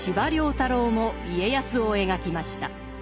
太郎も家康を描きました。